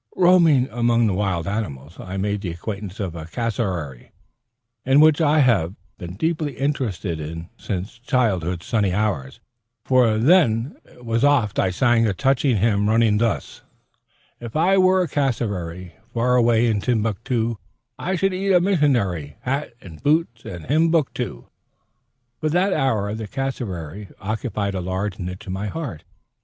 Roaming among the wild animals, I made the acquaintance of the cassowary, in which I have been deeply interested since childhood's sunny hours, for then't was oft I sang a touching hymn running thus: "If I were a cassowary Far away in Timbuctoo, I should eat a missionary, Hat, and boots, and hymn book too." From that hour the cassowary occupied a large niche in my heart.